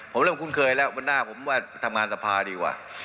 ผมเริ่มคุ้นเคยแล้ววันหน้าผมว่าทำงานสภาดีกว่า